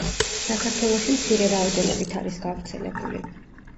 საქართველოში მცირე რაოდენობით არის გავრცელებული.